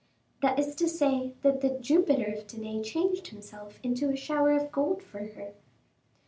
"That is to say that the Jupiter of Danae changed himself into a shower of gold for her."